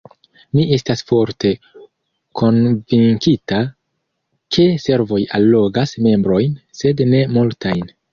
Mi estas forte konvinkita, ke servoj allogas membrojn, sed ne multajn.